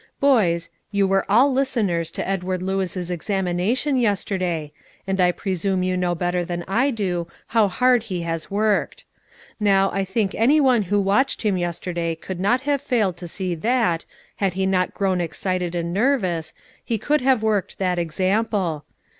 Boys, you were all listeners to Edward Lewis's examination yesterday, and I presume you know better than I do how hard he has worked. Now, I think any one who watched him yesterday could not have failed to see that, had he not grown excited and nervous, he could have worked that example.